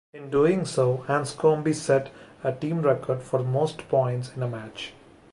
In doing so, Anscombe set a team record for most points in a match.